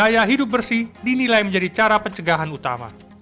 jadi dinilai menjadi cara pencegahan utama